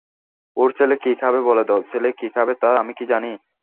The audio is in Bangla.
ওঁর ছেলে কি খাবে বলে দাও-ছেলে কি খাবে তা আমি কি জানি?